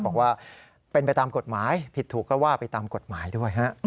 บอกว่าเป็นไปตามกฎหมายผิดถูกก็ว่าไปตามกฎหมายด้วยฮะ